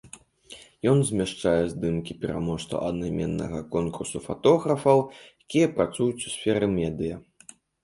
Ён змяшчае здымкі пераможцаў аднайменнага конкурсу фатографаў, якія працуюць у сферы медыя.